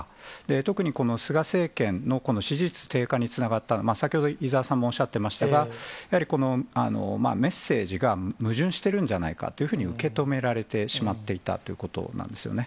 特にこの菅政権のこの支持率低下につながった、先ほど伊沢さんもおっしゃってましたが、やはりこのメッセージが矛盾してるんじゃないかというふうに受け止められてしまっていたということなんですよね。